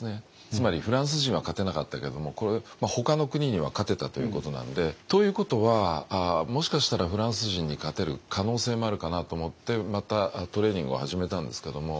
つまりフランス人は勝てなかったけどもほかの国には勝てたということなんでということはもしかしたらフランス人に勝てる可能性もあるかなと思ってまたトレーニングを始めたんですけども。